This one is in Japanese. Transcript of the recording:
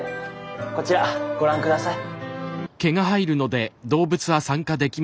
こちらご覧下さい。